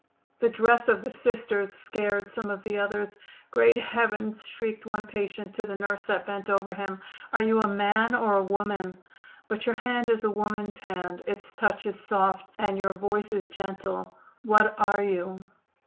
The dress of the Sisters scared some of the others. "Great heavens!" shrieked one patient to the nurse that bent over him, "are you a man or a woman? But your hand is a woman's hand; its touch is soft, and your voice is gentle. What are you?"